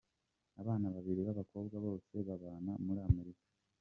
abana babiri b'abakobwa bose babana muri Amerika.